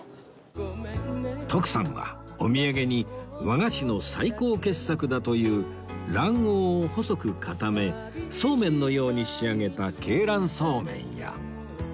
徳さんはお土産に和菓子の最高傑作だという卵黄を細く固め素麺のように仕上げた鶏卵素麺や